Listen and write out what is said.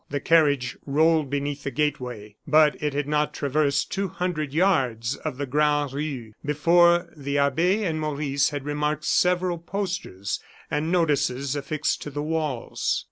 The carriage rolled beneath the gate way; but it had not traversed two hundred yards of the Grand Rue before the abbe and Maurice had remarked several posters and notices affixed to the walls.